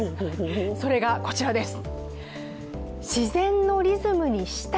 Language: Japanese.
それがこちらです。